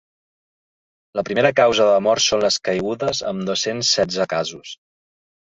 La primera causa de mort són les caigudes, amb dos-cents setze casos.